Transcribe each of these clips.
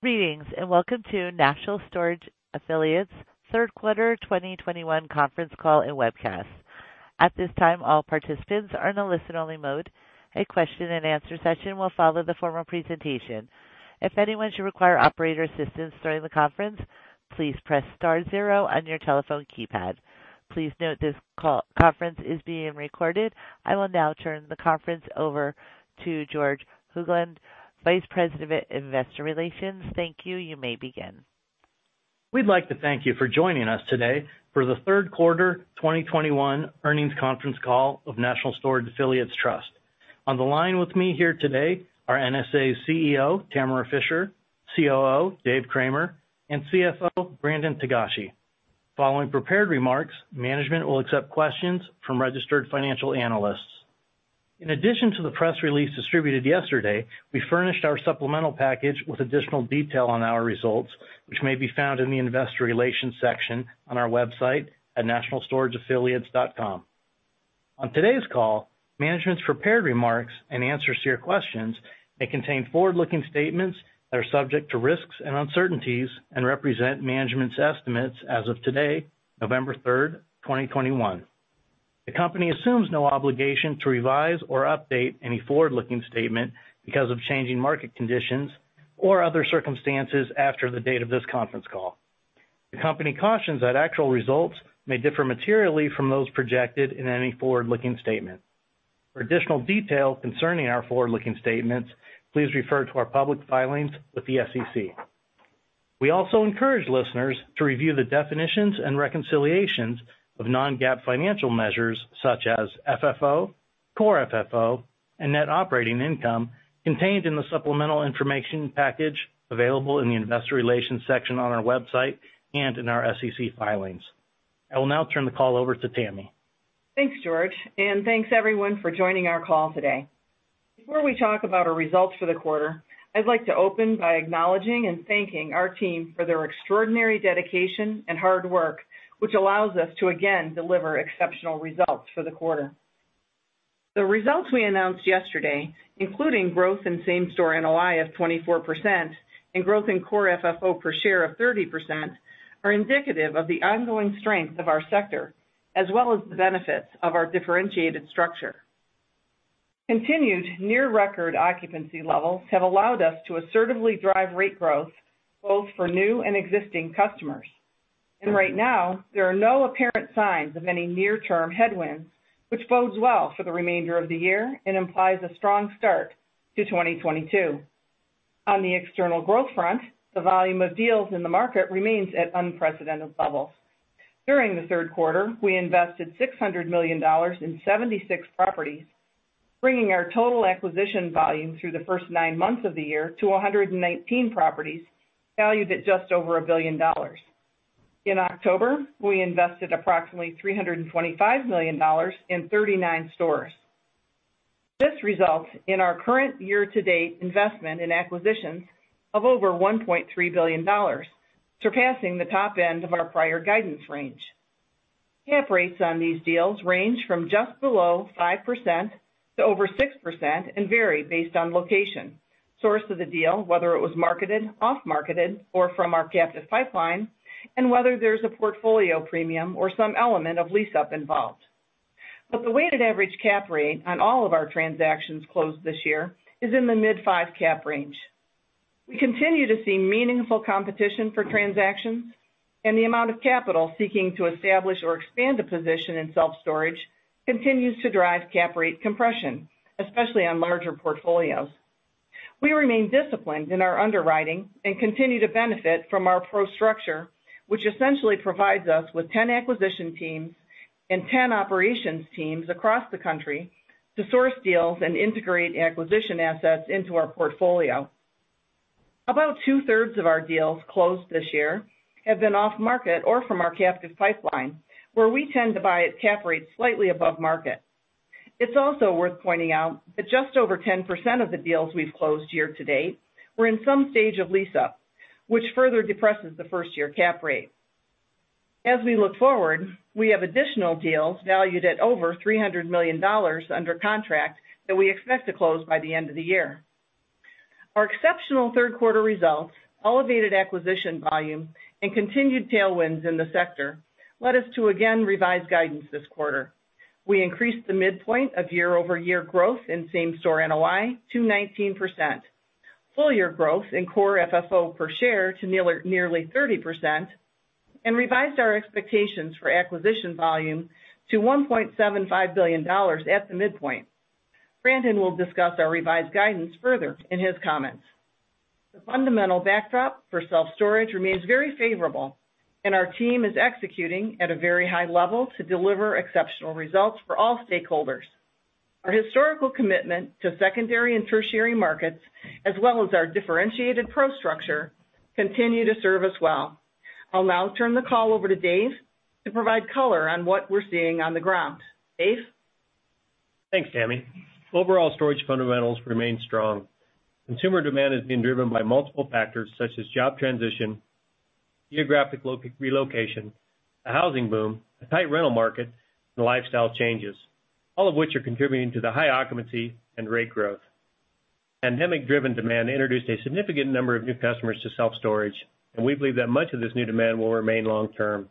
Greetings, and welcome to National Storage Affiliates' third quarter 2021 conference call and webcast. At this time, all participants are in a listen-only mode. A question-and-answer session will follow the formal presentation. If anyone should require operator assistance during the conference, please press star zero on your telephone keypad. Please note this conference is being recorded. I will now turn the conference over to George Hoglund, Vice President of Investor Relations. Thank you. You may begin. We'd like to thank you for joining us today for the third quarter 2021 earnings conference call of National Storage Affiliates Trust. On the line with me here today are NSA's CEO, Tamara Fischer, COO, Dave Cramer, and CFO, Brandon Togashi. Following prepared remarks, management will accept questions from registered financial analysts. In addition to the press release distributed yesterday, we furnished our supplemental package with additional detail on our results, which may be found in the investor relations section on our website at nationalstorageaffiliates.com. On today's call, management's prepared remarks and answers to your questions may contain forward-looking statements that are subject to risks and uncertainties and represent management's estimates as of today, November 3rd, 2021. The company assumes no obligation to revise or update any forward-looking statement because of changing market conditions or other circumstances after the date of this conference call. The company cautions that actual results may differ materially from those projected in any forward-looking statement. For additional detail concerning our forward-looking statements, please refer to our public filings with the SEC. We also encourage listeners to review the definitions and reconciliations of non-GAAP financial measures such as FFO, core FFO, and net operating income contained in the supplemental information package available in the investor relations section on our website and in our SEC filings. I will now turn the call over to Tammy. Thanks, George, and thanks everyone for joining our call today. Before we talk about our results for the quarter, I'd like to open by acknowledging and thanking our team for their extraordinary dedication and hard work, which allows us to again deliver exceptional results for the quarter. The results we announced yesterday, including growth in same-store NOI of 24% and growth in core FFO per share of 30%, are indicative of the ongoing strength of our sector, as well as the benefits of our differentiated structure. Continued near-record occupancy levels have allowed us to assertively drive rate growth both for new and existing customers. Right now, there are no apparent signs of any near-term headwinds, which bodes well for the remainder of the year and implies a strong start to 2022. On the external growth front, the volume of deals in the market remains at unprecedented levels. During the third quarter, we invested $600 million in 76 properties, bringing our total acquisition volume through the first nine months of the year to 119 properties valued at just over $1 billion. In October, we invested approximately $325 million in 39 stores. This results in our current year-to-date investment in acquisitions of over $1.3 billion, surpassing the top end of our prior guidance range. Cap rates on these deals range from just below 5% to over 6% and vary based on location, source of the deal, whether it was marketed, off-marketed, or from our captive pipeline, and whether there's a portfolio premium or some element of lease-up involved. The weighted average cap rate on all of our transactions closed this year is in the mid-5 cap range. We continue to see meaningful competition for transactions and the amount of capital seeking to establish or expand a position in self-storage continues to drive cap rate compression, especially on larger portfolios. We remain disciplined in our underwriting and continue to benefit from our PRO structure, which essentially provides us with 10 acquisition teams and 10 operations teams across the country to source deals and integrate acquisition assets into our portfolio. About 2/3 of our deals closed this year have been off-market or from our captive pipeline, where we tend to buy at cap rates slightly above market. It's also worth pointing out that just over 10% of the deals we've closed year to date were in some stage of lease-up, which further depresses the first-year cap rate. As we look forward, we have additional deals valued at over $300 million under contract that we expect to close by the end of the year. Our exceptional third quarter results, elevated acquisition volume, and continued tailwinds in the sector led us to again revise guidance this quarter. We increased the midpoint of year-over-year growth in same-store NOI to 19%, full year growth in core FFO per share to nearly 30%, and revised our expectations for acquisition volume to $1.75 billion at the midpoint. Brandon will discuss our revised guidance further in his comments. The fundamental backdrop for self-storage remains very favorable, and our team is executing at a very high level to deliver exceptional results for all stakeholders. Our historical commitment to secondary and tertiary markets, as well as our differentiated PRO structure, continue to serve us well. I'll now turn the call over to Dave to provide color on what we're seeing on the ground. Dave? Thanks, Tammy. Overall storage fundamentals remain strong. Consumer demand is being driven by multiple factors such as job transition, geographical relocation, a housing boom, a tight rental market, and lifestyle changes, all of which are contributing to the high occupancy and rate growth. Pandemic-driven demand introduced a significant number of new customers to self-storage, and we believe that much of this new demand will remain long term.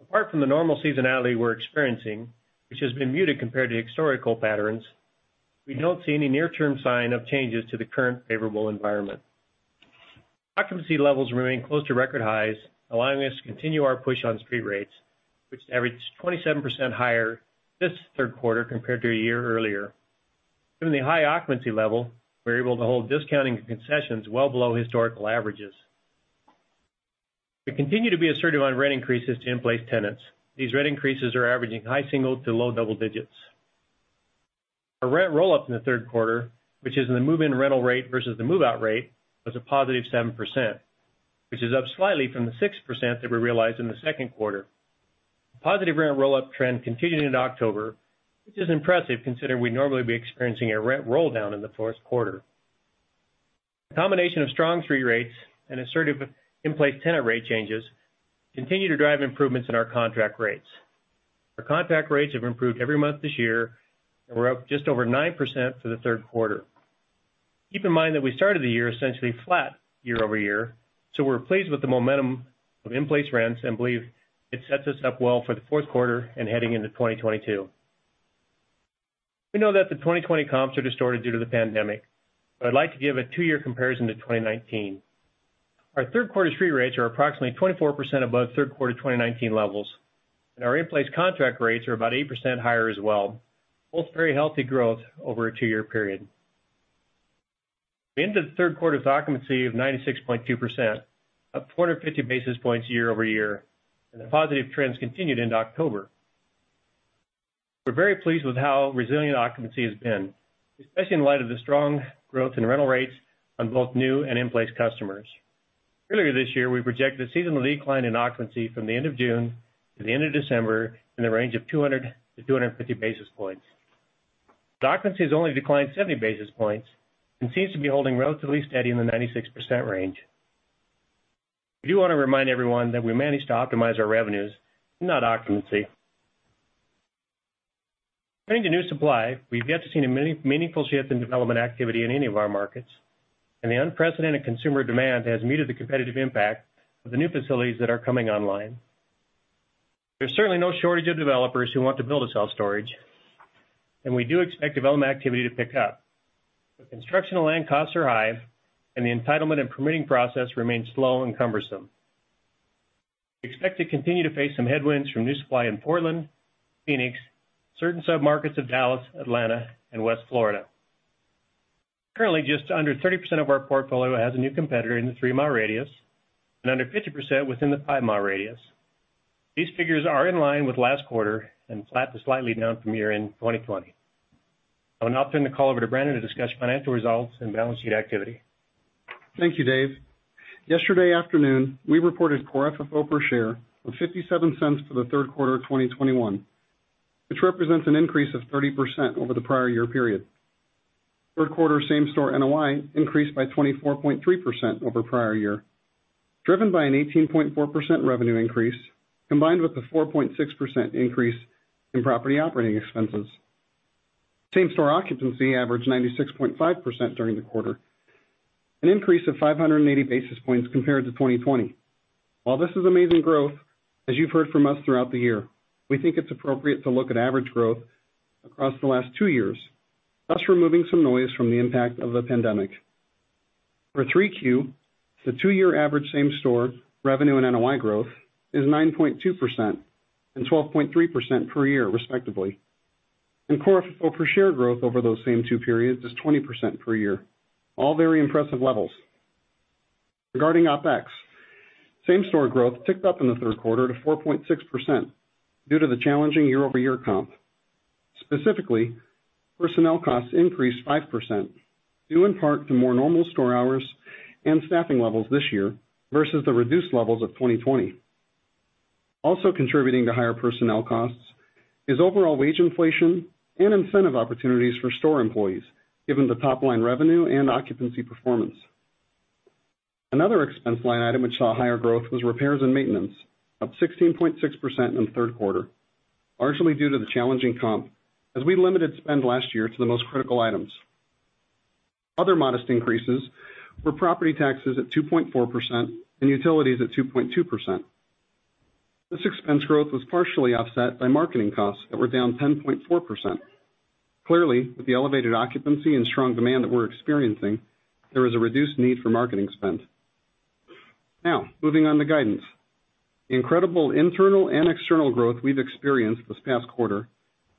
Apart from the normal seasonality we're experiencing, which has been muted compared to historical patterns, we don't see any near-term sign of changes to the current favorable environment. Occupancy levels remain close to record highs, allowing us to continue our push on street rates, which averaged 27% higher this third quarter compared to a year earlier. Given the high occupancy level, we're able to hold discounting concessions well below historical averages. We continue to be assertive on rent increases to in-place tenants. These rent increases are averaging high single to low double digits. Our rent roll-ups in the third quarter, which is in the move-in rental rate versus the move-out rate, was a positive 7%, which is up slightly from the 6% that we realized in the second quarter. The positive rent roll-up trend continued into October, which is impressive considering we'd normally be experiencing a rent roll-down in the fourth quarter. The combination of strong street rates and assertive in-place tenant rate changes continue to drive improvements in our contract rates. Our contract rates have improved every month this year, and we're up just over 9% for the third quarter. Keep in mind that we started the year essentially flat year-over-year, so we're pleased with the momentum of in-place rents and believe it sets us up well for the fourth quarter and heading into 2022. We know that the 2020 comps are distorted due to the pandemic, but I'd like to give a two-year comparison to 2019. Our third quarter street rates are approximately 24% above third quarter 2019 levels, and our in-place contract rates are about 8% higher as well, both very healthy growth over a two-year period. We ended the third quarter with occupancy of 96.2%, up 40-50 basis points year over year, and the positive trends continued into October. We're very pleased with how resilient occupancy has been, especially in light of the strong growth in rental rates on both new and in-place customers. Earlier this year, we projected a seasonal decline in occupancy from the end of June to the end of December in the range of 200-250 basis points. Occupancy has only declined 70 basis points and seems to be holding relatively steady in the 96% range. We do wanna remind everyone that we managed to optimize our revenues, not occupancy. Turning to new supply, we've yet to see a meaningful shift in development activity in any of our markets, and the unprecedented consumer demand has muted the competitive impact of the new facilities that are coming online. There's certainly no shortage of developers who want to build a self-storage, and we do expect development activity to pick up. But construction and land costs are high, and the entitlement and permitting process remains slow and cumbersome. We expect to continue to face some headwinds from new supply in Portland, Phoenix, certain sub-markets of Dallas, Atlanta, and West Florida. Currently, just under 30% of our portfolio has a new competitor in the 3-mile radius, and under 50% within the 5-mile radius. These figures are in line with last quarter and flat to slightly down from year-end 2020. I'll now turn the call over to Brandon to discuss financial results and balance sheet activity. Thank you, Dave. Yesterday afternoon, we reported core FFO per share of $0.57 for the third quarter of 2021, which represents an increase of 30% over the prior year period. Third quarter same-store NOI increased by 24.3% over prior year, driven by an 18.4% revenue increase combined with a 4.6% increase in property operating expenses. Same-store occupancy averaged 96.5% during the quarter, an increase of 580 basis points compared to 2020. While this is amazing growth, as you've heard from us throughout the year, we think it's appropriate to look at average growth across the last two years, thus removing some noise from the impact of the pandemic. For Q3, the two-year average same-store revenue and NOI growth is 9.2% and 12.3% per year respectively. Core FFO per share growth over those same two periods is 20% per year. All very impressive levels. Regarding OpEx, same-store growth ticked up in the third quarter to 4.6% due to the challenging year-over-year comp. Specifically, personnel costs increased 5%, due in part to more normal store hours and staffing levels this year versus the reduced levels of 2020. Also contributing to higher personnel costs is overall wage inflation and incentive opportunities for store employees, given the top-line revenue and occupancy performance. Another expense line item which saw higher growth was repairs and maintenance, up 16.6% in the third quarter, largely due to the challenging comp, as we limited spend last year to the most critical items. Other modest increases were property taxes at 2.4% and utilities at 2.2%. This expense growth was partially offset by marketing costs that were down 10.4%. Clearly, with the elevated occupancy and strong demand that we're experiencing, there is a reduced need for marketing spend. Now, moving on to guidance. The incredible internal and external growth we've experienced this past quarter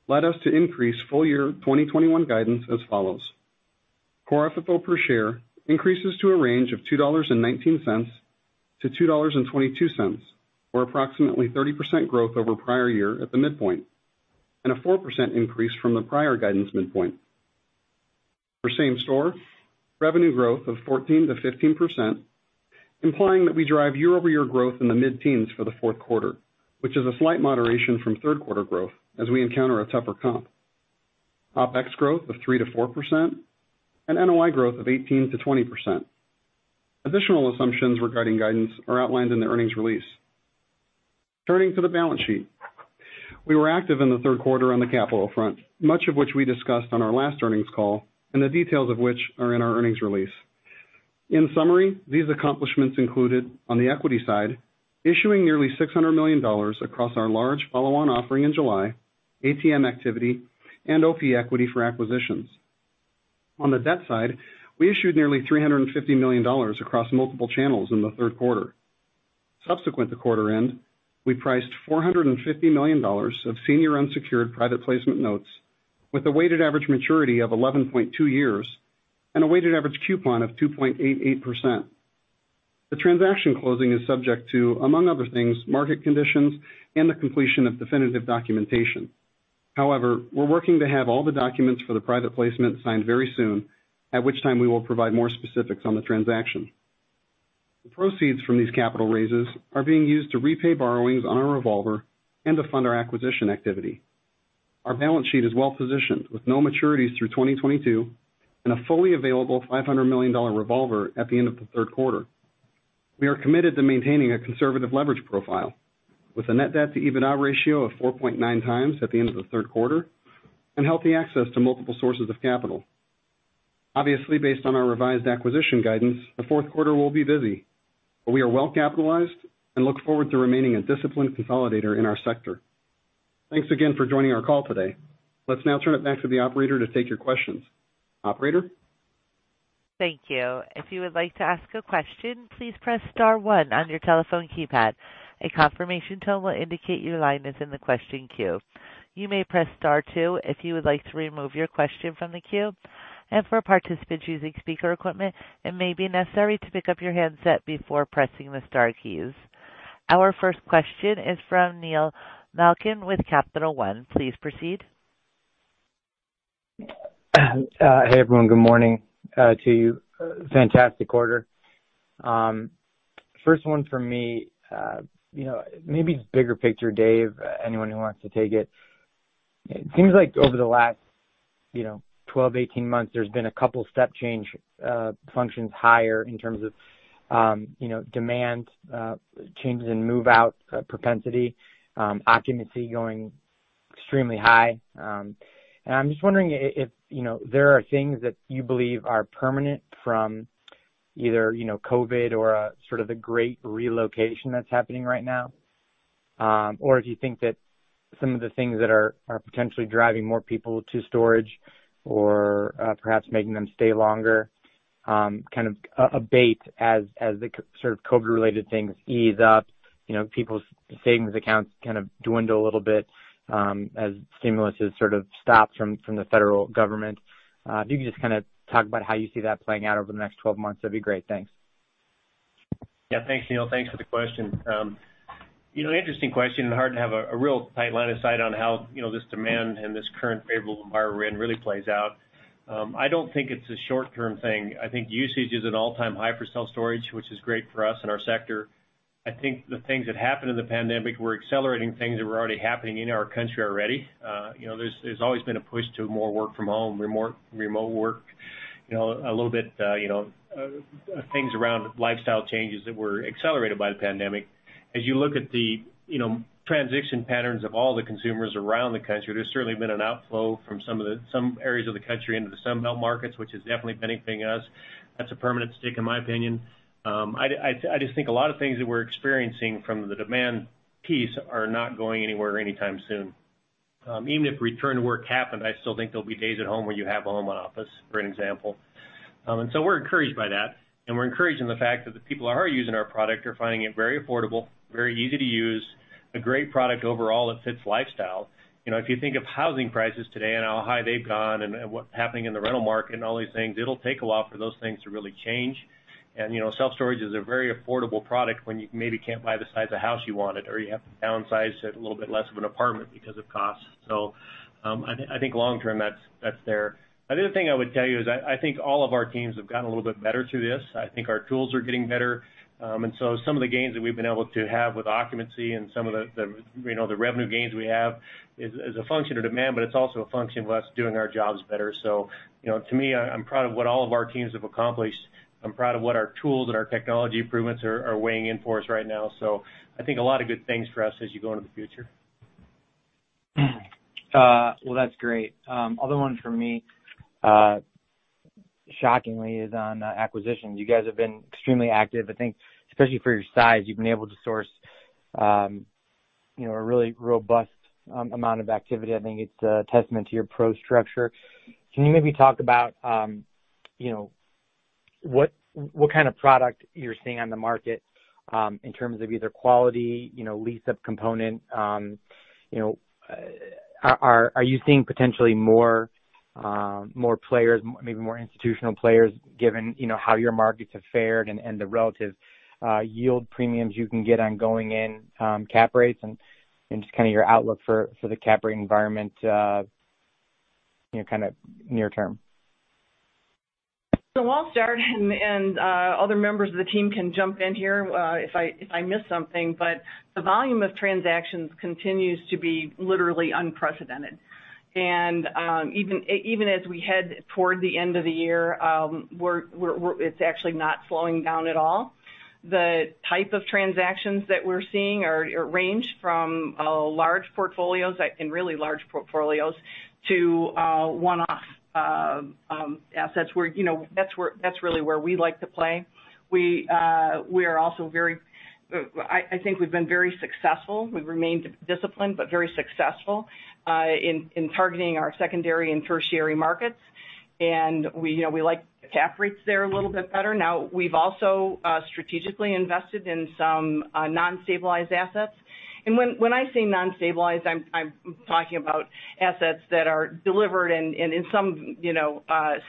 led us to increase full year 2021 guidance as follows: core FFO per share increases to a range of $2.19-$2.22, or approximately 30% growth over prior year at the midpoint, and a 4% increase from the prior guidance midpoint. For same-store revenue growth of 14%-15%, implying that we drive year-over-year growth in the mid-teens for the fourth quarter, which is a slight moderation from third quarter growth as we encounter a tougher comp. OpEx growth of 3%-4% and NOI growth of 18%-20%. Additional assumptions regarding guidance are outlined in the earnings release. Turning to the balance sheet. We were active in the third quarter on the capital front, much of which we discussed on our last earnings call and the details of which are in our earnings release. In summary, these accomplishments included, on the equity side, issuing nearly $600 million across our large follow-on offering in July, ATM activity, and OP equity for acquisitions. On the debt side, we issued nearly $350 million across multiple channels in the third quarter. Subsequent to quarter end, we priced $450 million of senior unsecured private placement notes with a weighted average maturity of 11.2 years and a weighted average coupon of 2.88%. The transaction closing is subject to, among other things, market conditions and the completion of definitive documentation. However, we're working to have all the documents for the private placement signed very soon, at which time we will provide more specifics on the transaction. The proceeds from these capital raises are being used to repay borrowings on our revolver and to fund our acquisition activity. Our balance sheet is well positioned with no maturities through 2022 and a fully available $500 million revolver at the end of the third quarter. We are committed to maintaining a conservative leverage profile with a net debt to EBITDA ratio of 4.9 times at the end of the third quarter and healthy access to multiple sources of capital. Obviously, based on our revised acquisition guidance, the fourth quarter will be busy, but we are well capitalized and look forward to remaining a disciplined consolidator in our sector. Thanks again for joining our call today. Let's now turn it back to the operator to take your questions. Operator? Thank you. If you would like to ask a question, please press star one on your telephone keypad. A confirmation tone will indicate your line is in the question queue. You may press star two if you would like to remove your question from the queue. Our first question is from Neil Malkin with Capital One. Please proceed. Hey, everyone. Good morning to you. Fantastic quarter. First one for me, you know, maybe bigger picture, Dave, anyone who wants to take it. It seems like over the last, you know, 12, 18 months, there's been a couple step change functions higher in terms of, you know, demand, changes in move-out propensity, occupancy going extremely high. I'm just wondering if, you know, there are things that you believe are permanent from either, you know, COVID or sort of the great relocation that's happening right now, or if you think that some of the things that are potentially driving more people to storage or perhaps making them stay longer kind of abate as the sort of COVID-related things ease up, you know, people's savings accounts kind of dwindle a little bit, as stimulus has sort of stopped from the federal government. If you could just kind of talk about how you see that playing out over the next 12 months, that'd be great. Thanks. Yeah. Thanks, Neil. Thanks for the question. You know, interesting question, and hard to have a real tight line of sight on how, you know, this demand and this current favorable environment we're in really plays out. I don't think it's a short-term thing. I think usage is an all-time high for self-storage, which is great for us and our sector. I think the things that happened in the pandemic were accelerating things that were already happening in our country. You know, there's always been a push to more work from home, remote work, you know, a little bit, things around lifestyle changes that were accelerated by the pandemic. As you look at the, you know, transition patterns of all the consumers around the country, there's certainly been an outflow from some areas of the country into the Sun Belt markets, which has definitely been benefiting us. That's a permanent shift, in my opinion. I just think a lot of things that we're experiencing from the demand piece are not going anywhere anytime soon. Even if return to work happened, I still think there'll be days at home where you have a home office, for example. We're encouraged by that, and we're encouraged in the fact that the people who are using our product are finding it very affordable, very easy to use, a great product overall that fits lifestyle. You know, if you think of housing prices today and how high they've gone and what's happening in the rental market and all these things, it'll take a while for those things to really change. You know, self-storage is a very affordable product when you maybe can't buy the size of house you wanted or you have to downsize to a little bit less of an apartment because of costs. I think long term, that's there. The other thing I would tell you is I think all of our teams have gotten a little bit better through this. I think our tools are getting better. Some of the gains that we've been able to have with occupancy and some of the you know the revenue gains we have is a function of demand, but it's also a function of us doing our jobs better. You know, to me, I'm proud of what all of our teams have accomplished. I'm proud of what our tools and our technology improvements are weighing in for us right now. I think a lot of good things for us as you go into the future. Well, that's great. Other one for me, shockingly, is on acquisitions. You guys have been extremely active. I think especially for your size, you've been able to source, you know, a really robust amount of activity. I think it's a testament to your PRO structure. Can you maybe talk about, you know, what kind of product you're seeing on the market, in terms of either quality, you know, lease-up component? You know, are you seeing potentially more players, maybe more institutional players given, you know, how your markets have fared and the relative yield premiums you can get on going in cap rates and just kind of your outlook for the cap rate environment, you know, kind of near term? I'll start, other members of the team can jump in here, if I miss something. The volume of transactions continues to be literally unprecedented. Even as we head toward the end of the year, it's actually not slowing down at all. The type of transactions that we're seeing range from large portfolios and really large portfolios to one-off assets where, you know, that's really where we like to play. We are also very successful. I think we've been very successful. We've remained disciplined, but very successful in targeting our secondary and tertiary markets. You know, we like the cap rates there a little bit better. Now, we've also strategically invested in some non-stabilized assets. When I say non-stabilized, I'm talking about assets that are delivered and in some, you know,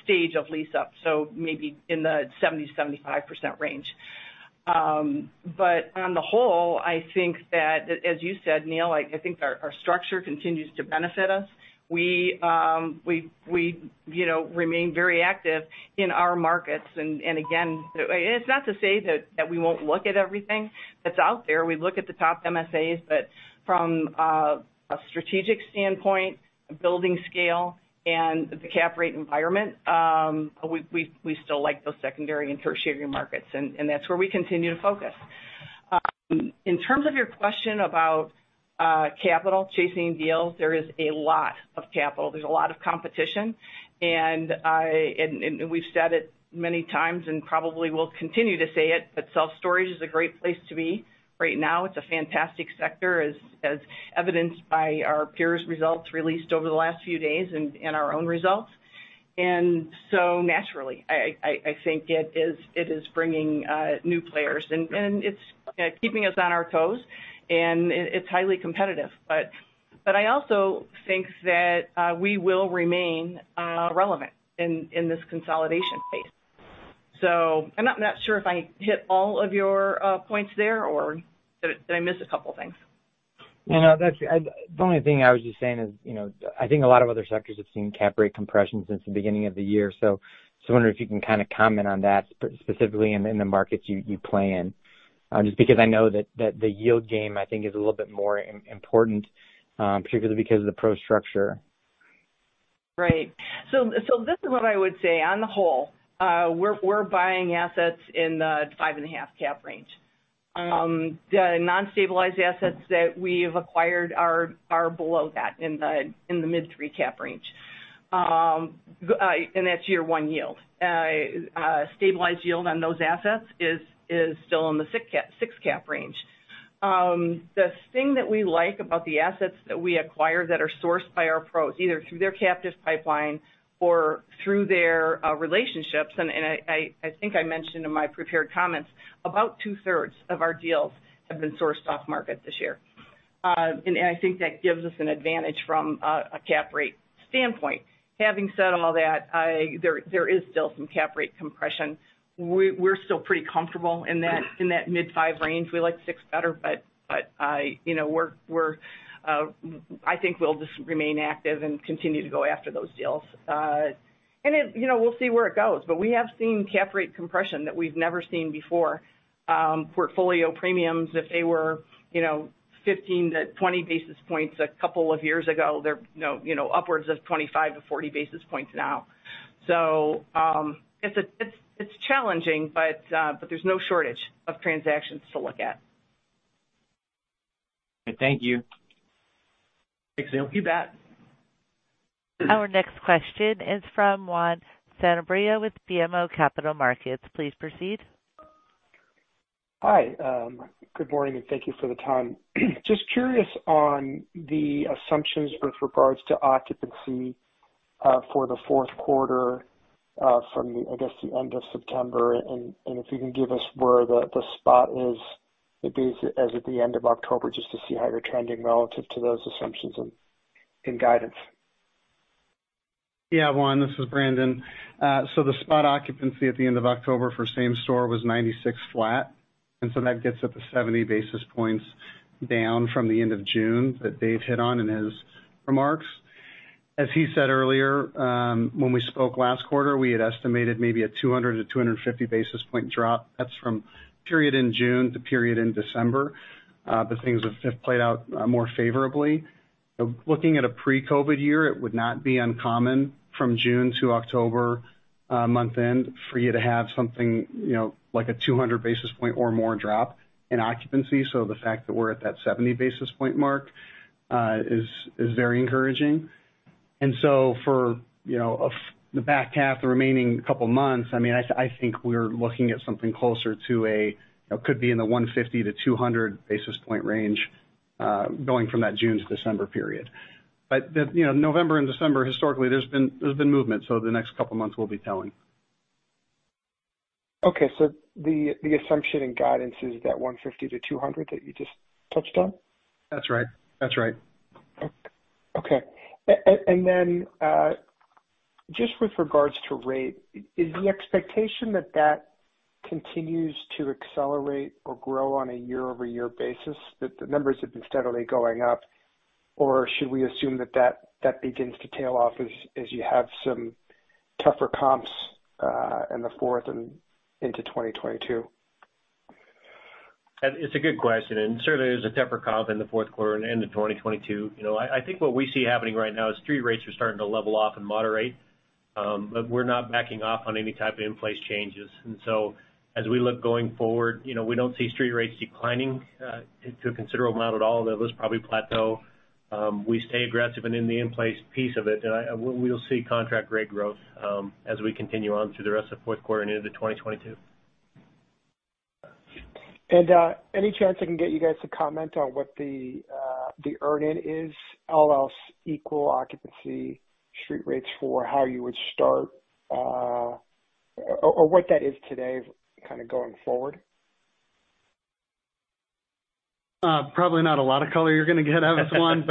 stage of lease-up, so maybe in the 70%-75% range. But on the whole, I think that, as you said, Neil, our structure continues to benefit us. We, you know, remain very active in our markets. Again, it's not to say that we won't look at everything that's out there. We look at the top MSAs, but from a strategic standpoint, building scale and the cap rate environment, we still like those secondary and tertiary markets, and that's where we continue to focus. In terms of your question about capital chasing deals, there is a lot of capital. There's a lot of competition, and we've said it many times and probably will continue to say it, but self-storage is a great place to be right now. It's a fantastic sector, as evidenced by our peers' results released over the last few days and our own results. Naturally, I think it is bringing new players and it's keeping us on our toes and it's highly competitive. I also think that we will remain relevant in this consolidation phase. I'm not sure if I hit all of your points there, or did I miss a couple things? No, that's the only thing I was just saying is, you know, I think a lot of other sectors have seen cap rate compression since the beginning of the year. I was wondering if you can kind of comment on that specifically in the markets you play in. Just because I know that the yield game, I think is a little bit more important, particularly because of the PRO structure. Right. This is what I would say. On the whole, we're buying assets in the 5.5 cap range. The non-stabilized assets that we've acquired are below that in the mid-3 cap range. That's year-one yield. Stabilized yield on those assets is still in the 6 cap range. The thing that we like about the assets that we acquire that are sourced by our PROs, either through their captive pipeline or through their relationships, and I think I mentioned in my prepared comments, about 2/3 of our deals have been sourced off-market this year. I think that gives us an advantage from a cap rate standpoint. Having said all that, there is still some cap rate compression. We're still pretty comfortable in that mid-5 range. We like 6 better, but I, you know, I think we'll just remain active and continue to go after those deals. You know, we'll see where it goes, but we have seen cap rate compression that we've never seen before. Portfolio premiums, if they were, you know, 15-20 basis points a couple of years ago, they're now, you know, upwards of 25-40 basis points now. It's challenging, but there's no shortage of transactions to look at. Thank you. Thanks, Neil. You bet. Our next question is from Juan Sanabria with BMO Capital Markets. Please proceed. Hi, good morning, and thank you for the time. Just curious on the assumptions with regards to occupancy for the fourth quarter from, I guess, the end of September, and if you can give us where the spot is as of the end of October, just to see how you're trending relative to those assumptions and guidance? Yeah, Juan, this is Brandon. So the spot occupancy at the end of October for same-store was 96 flat, and that gets us to 70 basis points down from the end of June that Dave hit on in his remarks. As he said earlier, when we spoke last quarter, we had estimated maybe a 200-250 basis point drop. That's from period in June to period in December. But things have played out more favorably. Looking at a pre-COVID year, it would not be uncommon from June to October month end for you to have something, you know, like a 200 basis point or more drop in occupancy. So the fact that we're at that 70 basis point mark is very encouraging. For the back half, the remaining couple of months, I mean, I think we're looking at something closer to a, you know, could be in the 150-200 basis point range, going from that June to December period. You know, November and December, historically, there's been movement, so the next couple of months will be telling. Okay. The assumption and guidance is that 150-200 that you just touched on? That's right. Okay. Just with regards to rate, is the expectation that Continues to accelerate or grow on a year-over-year basis, that the numbers have been steadily going up, or should we assume that that begins to tail off as you have some tougher comps in the fourth and into 2022? It's a good question, and certainly there's a tougher comp in the fourth quarter and into 2022. You know, I think what we see happening right now is street rates are starting to level off and moderate, but we're not backing off on any type of in-place changes. As we look going forward, you know, we don't see street rates declining to a considerable amount at all, they'll at least probably plateau. We stay aggressive and in the in-place piece of it. We will see contract rate growth as we continue on through the rest of the fourth quarter and into 2022. Any chance I can get you guys to comment on what the earn-in is, all else equal occupancy street rates for how you would start, or what that is today kind of going forward? Probably not a lot of color you're gonna get out of this one.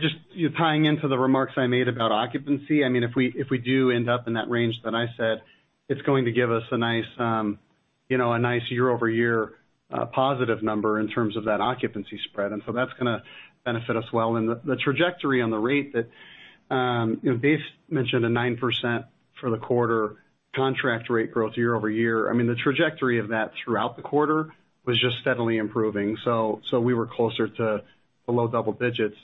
Just tying into the remarks I made about occupancy, I mean, if we do end up in that range that I said, it's going to give us a nice, you know, a nice year-over-year positive number in terms of that occupancy spread. That's gonna benefit us well. The trajectory on the rate that, you know, Dave mentioned a 9% for the quarter contract rate growth year-over-year. I mean, the trajectory of that throughout the quarter was just steadily improving. We were closer to the low double digits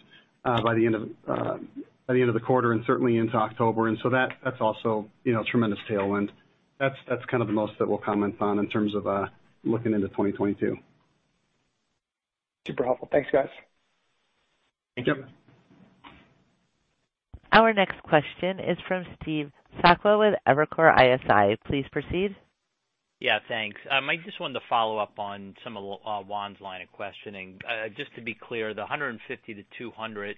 by the end of the quarter and certainly into October. That's also, you know, tremendous tailwind. That's kind of the most that we'll comment on in terms of looking into 2022. Super helpful. Thanks, guys. Thank you. Our next question is from Steve Sakwa with Evercore ISI. Please proceed. Yeah, thanks. I just wanted to follow up on some of Juan's line of questioning. Just to be clear, the 150 to 200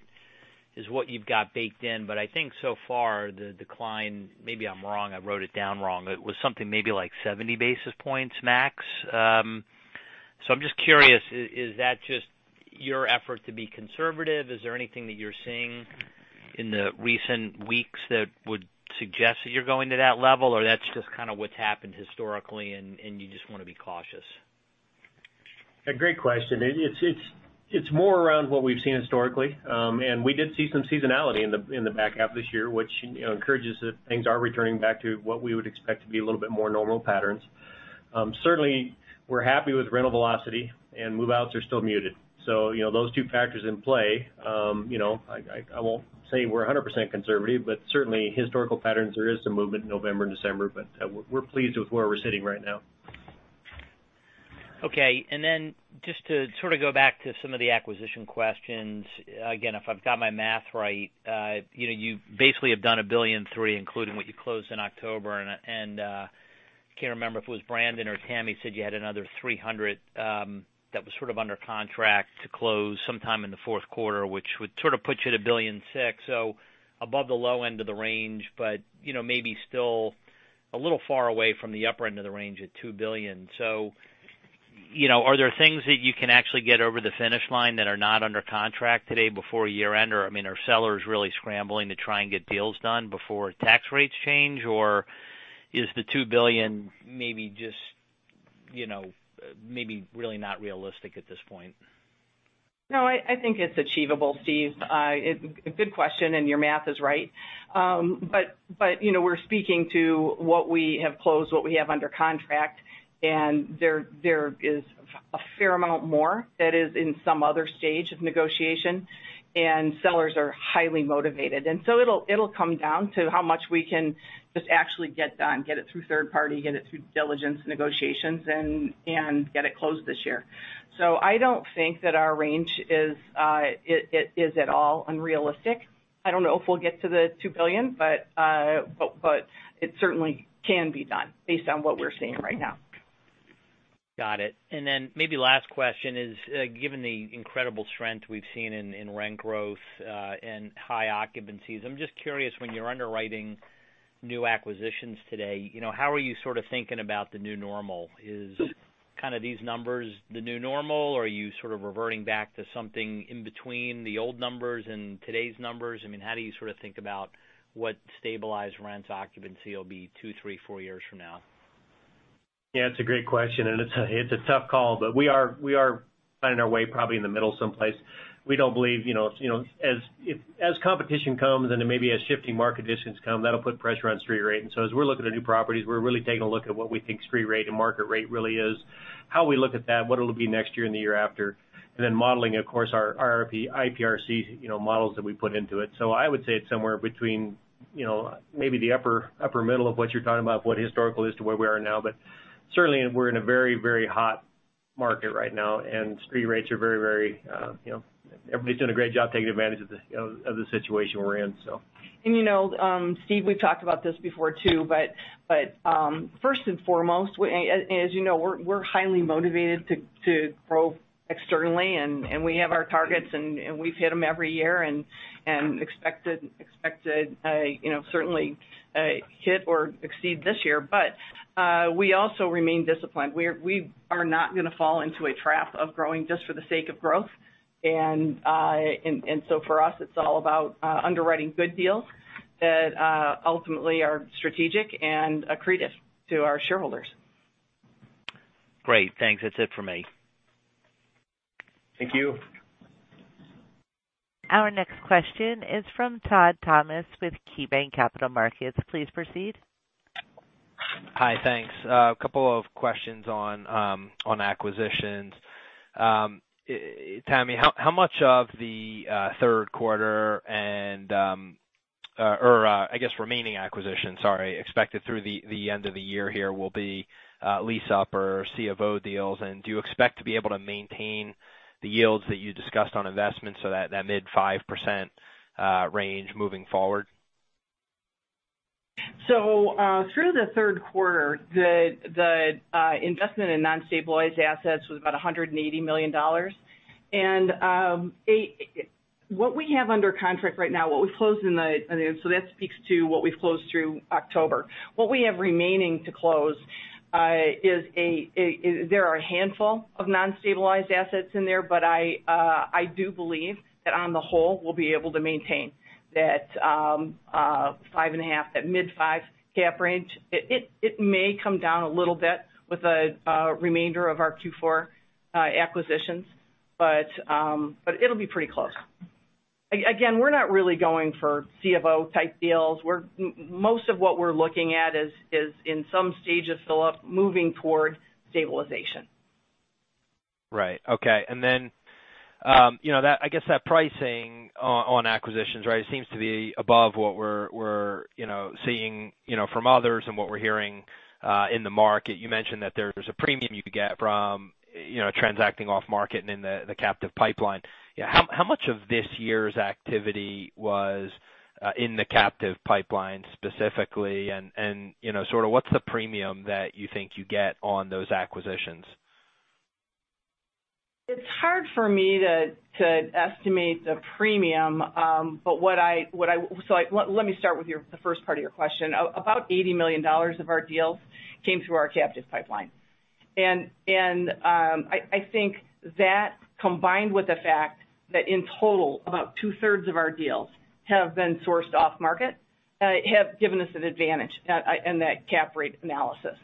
is what you've got baked in, but I think so far the decline, maybe I'm wrong, I wrote it down wrong, it was something maybe like 70 basis points max. So I'm just curious, is that just your effort to be conservative? Is there anything that you're seeing in the recent weeks that would suggest that you're going to that level, or that's just kind of what's happened historically and you just wanna be cautious? A great question. It's more around what we've seen historically. We did see some seasonality in the back half of this year, which, you know, encourages that things are returning back to what we would expect to be a little bit more normal patterns. Certainly, we're happy with rental velocity and move-outs are still muted. You know, those two factors in play, you know, I won't say we're 100% conservative, but certainly historical patterns, there is some movement November and December, but we're pleased with where we're sitting right now. Okay. Then just to sort of go back to some of the acquisition questions, again, if I've got my math right, you know, you basically have done $1.3 billion, including what you closed in October. Can't remember if it was Brandon or Tammy said you had another $300 million that was sort of under contract to close sometime in the fourth quarter, which would sort of put you at $1.6 billion. Above the low end of the range, but you know, maybe still a little far away from the upper end of the range at $2 billion. Are there things that you can actually get over the finish line that are not under contract today before year-end? Or I mean, are sellers really scrambling to try and get deals done before tax rates change? is the $2 billion maybe just, you know, maybe really not realistic at this point? No, I think it's achievable, Steve. Good question, and your math is right. You know, we're speaking to what we have closed, what we have under contract, and there is a fair amount more that is in some other stage of negotiation, and sellers are highly motivated. It'll come down to how much we can just actually get done, get it through third party, get it through diligence negotiations and get it closed this year. I don't think that our range is at all unrealistic. I don't know if we'll get to the $2 billion, but it certainly can be done based on what we're seeing right now. Got it. Maybe last question is, given the incredible strength we've seen in rent growth and high occupancies, I'm just curious, when you're underwriting new acquisitions today, you know, how are you sort of thinking about the new normal? Is kind of these numbers the new normal, or are you sort of reverting back to something in between the old numbers and today's numbers? I mean, how do you sort of think about what stabilized rents occupancy will be two, three, four years from now? Yeah, it's a great question, and it's a tough call, but we are finding our way probably in the middle someplace. We don't believe, you know, as competition comes and then maybe as shifting market conditions come, that'll put pressure on street rate. As we're looking at new properties, we're really taking a look at what we think street rate and market rate really is. How we look at that, what it'll be next year and the year after, and then modeling, of course, our ECRI program, you know, models that we put into it. I would say it's somewhere between, you know, maybe the upper middle of what you're talking about, what historical is to where we are now. Certainly we're in a very hot market right now, and street rates are very, you know. Everybody's doing a great job taking advantage of the situation we're in, so. You know, Steve, we've talked about this before too, but first and foremost, as you know, we're highly motivated to grow externally and we have our targets and we've hit them every year and expected, you know, certainly to hit or exceed this year. We also remain disciplined. We are not gonna fall into a trap of growing just for the sake of growth. So for us, it's all about underwriting good deals that ultimately are strategic and accretive to our shareholders. Great. Thanks. That's it for me. Thank you. Our next question is from Todd Thomas with KeyBanc Capital Markets. Please proceed. Hi. Thanks. A couple of questions on acquisitions. Tammy, how much of the third quarter and, or, I guess, remaining acquisitions, sorry, expected through the end of the year here will be lease-up or C of O deals? Do you expect to be able to maintain the yields that you discussed on investments so that mid-5% range moving forward? Through the third quarter, the investment in non-stabilized assets was about $180 million. What we have under contract right now speaks to what we closed through October. What we have remaining to close is a handful of non-stabilized assets in there. I do believe that on the whole, we'll be able to maintain that 5.5, that mid-5 cap range. It may come down a little bit with the remainder of our Q4 acquisitions, but it'll be pretty close. Again, we're not really going for C of O-type deals. Most of what we're looking at is in some stage of fill-up, moving toward stabilization. Right. Okay. You know, that, I guess that pricing on acquisitions, right, seems to be above what we're seeing, you know, from others and what we're hearing in the market. You mentioned that there's a premium you get from, you know, transacting off market and in the captive pipeline. How much of this year's activity was in the captive pipeline specifically? You know, sort of what's the premium that you think you get on those acquisitions? It's hard for me to estimate the premium, but what I like, let me start with the first part of your question. About $80 million of our deals came through our captive pipeline. I think that combined with the fact that in total, about two-thirds of our deals have been sourced off-market, have given us an advantage in that cap rate analysis.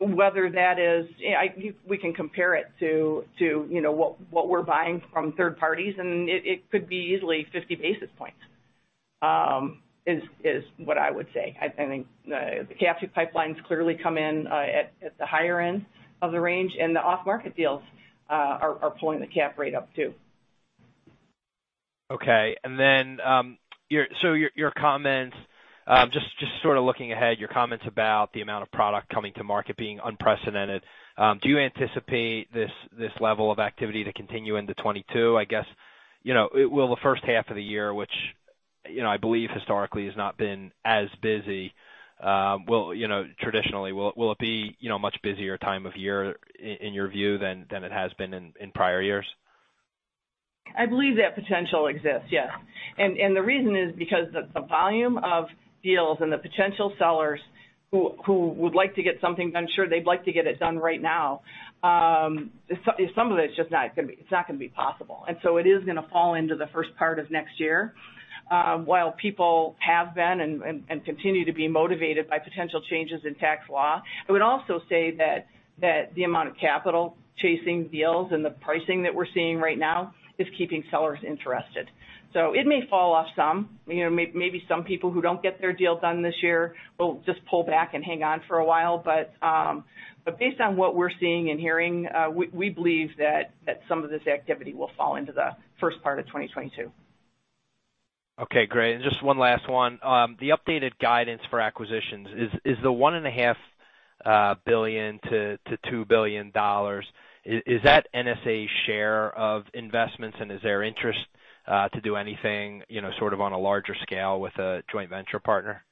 Whether that is, we can compare it to you know what we're buying from third parties, and it could be easily 50 basis points is what I would say. I think the captive pipelines clearly come in at the higher end of the range, and the off-market deals are pulling the cap rate up too. Okay. Your comment just sort of looking ahead, your comments about the amount of product coming to market being unprecedented, do you anticipate this level of activity to continue into 2022? I guess, you know, will the first half of the year, which, you know, I believe historically has not been as busy, you know, traditionally, will it be, you know, a much busier time of year in your view than it has been in prior years? I believe that potential exists, yes. The reason is because the volume of deals and the potential sellers who would like to get something done, sure, they'd like to get it done right now, some of it is just not going to be possible. It is going to fall into the first part of next year. While people have been and continue to be motivated by potential changes in tax law, I would also say that the amount of capital chasing deals and the pricing that we're seeing right now is keeping sellers interested. It may fall off some, you know, maybe some people who don't get their deal done this year will just pull back and hang on for a while. Based on what we're seeing and hearing, we believe that some of this activity will fall into the first part of 2022. Okay, great. Just one last one. The updated guidance for acquisitions is the $1.5 billion-$2 billion, is that NSA share of investments, and is there interest to do anything, you know, sort of on a larger scale with a joint venture partner?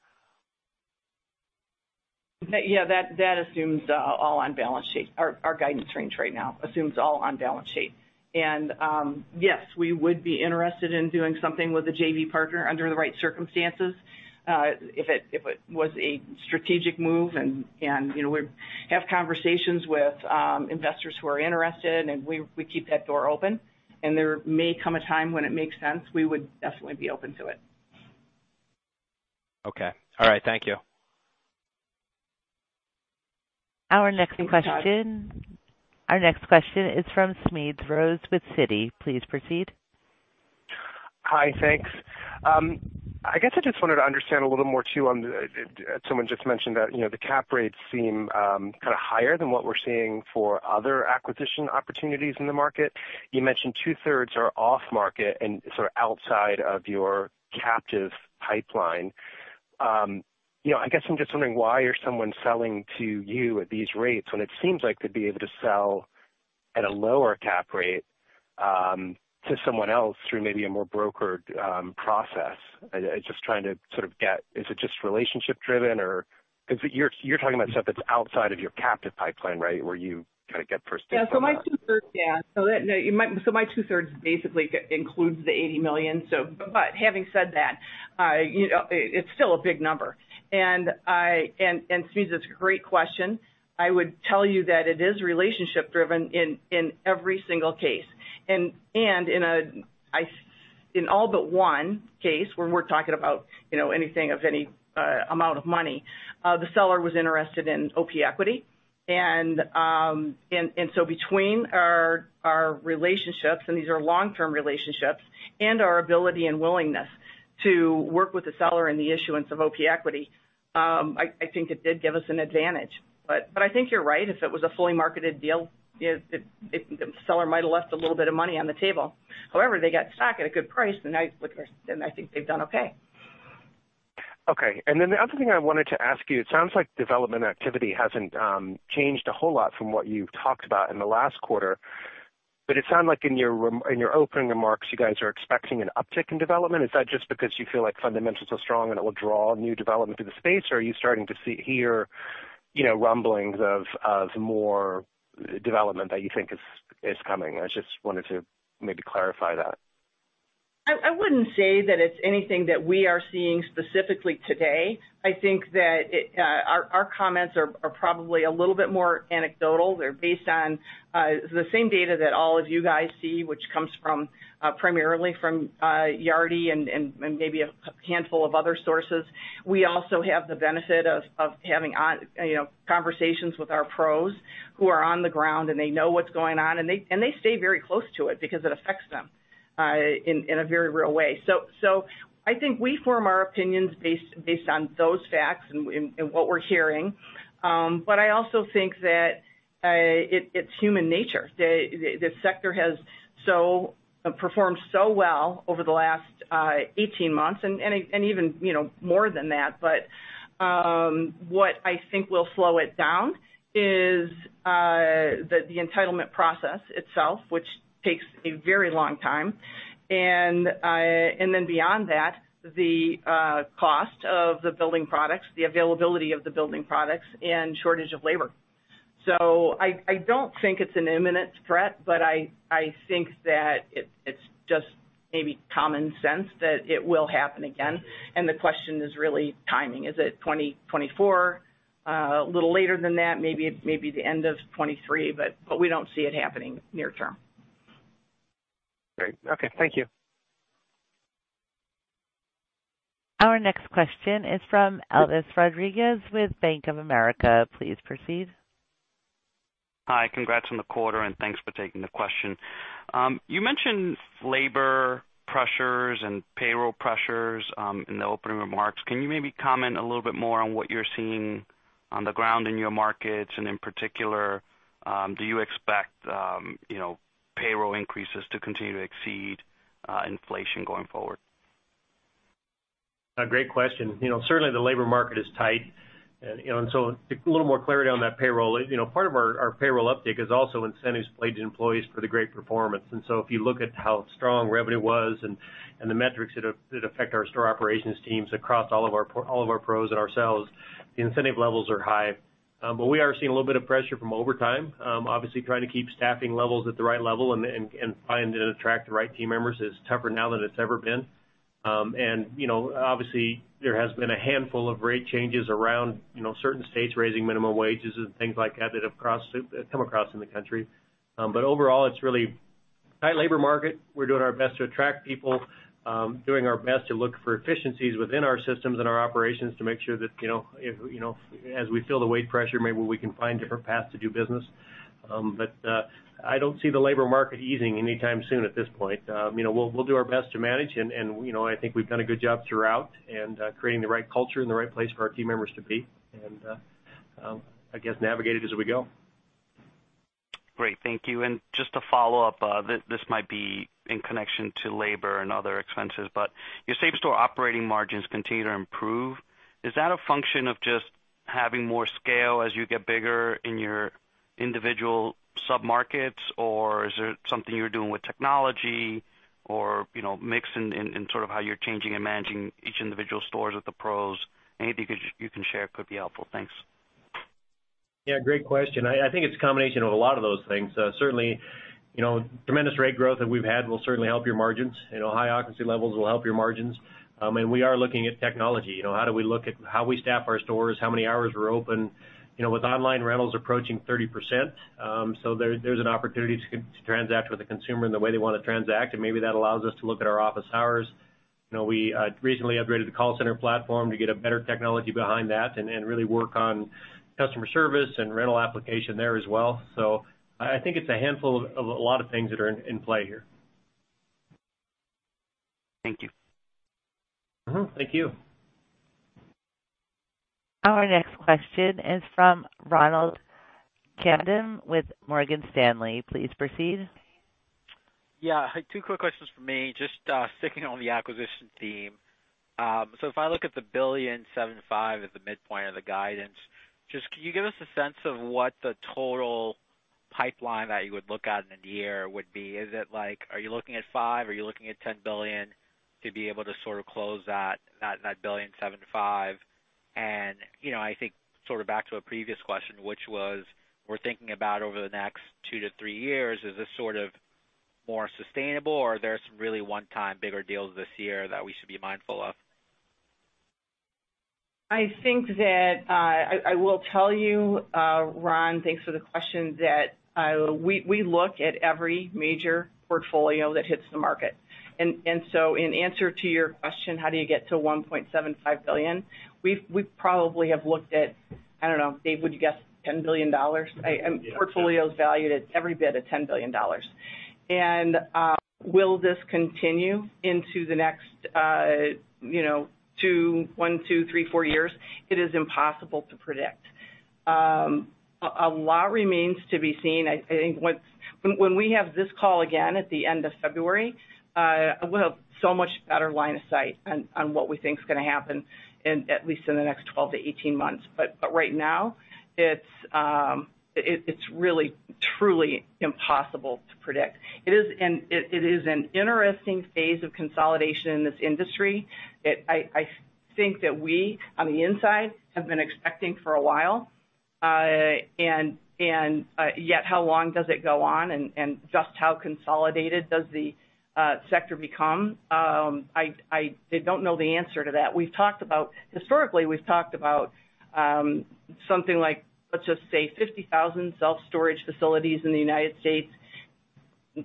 Yeah, that assumes all on balance sheet. Our guidance range right now assumes all on balance sheet. Yes, we would be interested in doing something with a JV partner under the right circumstances, if it was a strategic move. You know, we have conversations with investors who are interested, and we keep that door open. There may come a time when it makes sense. We would definitely be open to it. Okay. All right. Thank you. Our next question. Thanks, Todd. Our next question is from Smedes Rose with Citi. Please proceed. Hi. Thanks. I guess I just wanted to understand a little more too, on, as someone just mentioned that, you know, the cap rates seem kind of higher than what we're seeing for other acquisition opportunities in the market. You mentioned 2/3 are off market and sort of outside of your captive pipeline. You know, I guess I'm just wondering why someone is selling to you at these rates when it seems like they'd be able to sell at a lower cap rate to someone else through maybe a more brokered process. Just trying to sort of get, is it just relationship-driven or because you're talking about stuff that's outside of your captive pipeline, right? Where you kind of get first dibs on that. My 2/3 basically includes the $80 million. Having said that, you know, it's still a big number. Smedes, that's a great question. I would tell you that it is relationship-driven in every single case. In all but one case, when we're talking about, you know, anything of any amount of money, the seller was interested in OP equity. Between our relationships, and these are long-term relationships, and our ability and willingness to work with the seller in the issuance of OP equity, I think it did give us an advantage. I think you're right. If it was a fully marketed deal, you know, the seller might have left a little bit of money on the table. However, they got stock at a good price, and then I think they've done okay. Okay. Then the other thing I wanted to ask you, it sounds like development activity hasn't changed a whole lot from what you've talked about in the last quarter. But it sounded like in your opening remarks, you guys are expecting an uptick in development. Is that just because you feel like fundamentals are strong and it will draw new development to the space, or are you starting to hear, you know, rumblings of more development that you think is coming? I just wanted to maybe clarify that. I wouldn't say that it's anything that we are seeing specifically today. I think that our comments are probably a little bit more anecdotal. They're based on the same data that all of you guys see, which comes primarily from Yardi and maybe a handful of other sources. We also have the benefit of having ongoing you know, conversations with our PROs who are on the ground, and they know what's going on, and they stay very close to it because it affects them in a very real way. I think we form our opinions based on those facts and what we're hearing. I also think that it's human nature. The sector has performed so well over the last 18 months and even, you know, more than that. What I think will slow it down is the entitlement process itself, which takes a very long time. Then beyond that, the cost of the building products, the availability of the building products and shortage of labor. I don't think it's an imminent threat, but I think that it's just maybe common sense that it will happen again. The question is really timing. Is it 2024? A little later than that, maybe it may be the end of 2023, but we don't see it happening near term. Great. Okay. Thank you. Our next question is from Elvis Rodriguez with Bank of America. Please proceed. Hi. Congrats on the quarter, and thanks for taking the question. You mentioned labor pressures and payroll pressures in the opening remarks. Can you maybe comment a little bit more on what you're seeing on the ground in your markets? In particular, do you expect, you know, payroll increases to continue to exceed inflation going forward? A great question. You know, certainly the labor market is tight. You know, a little more clarity on that payroll. You know, part of our payroll uptick is also incentives paid to employees for the great performance. If you look at how strong revenue was and the metrics that affect our store operations teams across all of our pros and ourselves, the incentive levels are high. We are seeing a little bit of pressure from overtime. Obviously trying to keep staffing levels at the right level and find and attract the right team members is tougher now than it's ever been. You know, obviously, there has been a handful of rate changes around, you know, certain states raising minimum wages and things like that have come across in the country. Overall, it's really tight labor market. We're doing our best to attract people, doing our best to look for efficiencies within our systems and our operations to make sure that, you know, if, you know, as we feel the wage pressure, maybe we can find different paths to do business. I don't see the labor market easing anytime soon at this point. You know, we'll do our best to manage and, you know, I think we've done a good job throughout and creating the right culture and the right place for our team members to be, and I guess navigate it as we go. Great. Thank you. Just to follow up, this might be in connection to labor and other expenses, but your same-store operating margins continue to improve. Is that a function of just having more scale as you get bigger in your individual sub-markets, or is it something you're doing with technology or, you know, mix in sort of how you're changing and managing each individual stores with the pros? Anything you can share could be helpful. Thanks. Yeah, great question. I think it's a combination of a lot of those things. Certainly, you know, tremendous rate growth that we've had will certainly help your margins. You know, high occupancy levels will help your margins. We are looking at technology. You know, how do we look at how we staff our stores, how many hours we're open. You know, with online rentals approaching 30%, so there's an opportunity to transact with the consumer in the way they wanna transact, and maybe that allows us to look at our office hours. You know, we recently upgraded the call center platform to get a better technology behind that and really work on customer service and rental application there as well. So I think it's a handful of a lot of things that are in play here. Thank you. Mm-hmm. Thank you. Our next question is from Ronald Kamdem with Morgan Stanley. Please proceed. Yeah. Two quick questions from me, just sticking on the acquisition theme. So if I look at the $1.75 billion as the midpoint of the guidance, just can you give us a sense of what the total pipeline that you would look at in a year would be? Is it like, are you looking at $5 billion, are you looking at $10 billion to be able to sort of close that $1.75 billion? You know, I think sort of back to a previous question, which was we're thinking about over the next two to three years, is this sort of more sustainable or are there some really one-time bigger deals this year that we should be mindful of? I think that I will tell you, Ron, thanks for the question, that we look at every major portfolio that hits the market. So in answer to your question, how do you get to $1.75 billion, we've probably looked at, I don't know, Dave, would you guess $10 billion? Yeah. Portfolios valued at every bit of $10 billion. Will this continue into the next one, two, three, four years? It is impossible to predict. A lot remains to be seen. When we have this call again at the end of February, we'll have so much better line of sight on what we think is gonna happen in at least the next 12-18 months. Right now, it's really truly impossible to predict. It is an interesting phase of consolidation in this industry. I think that we, on the inside, have been expecting for a while. Yet, how long does it go on and just how consolidated does the sector become? I don't know the answer to that. We've talked about historically something like, let's just say 50,000 self-storage facilities in the United States.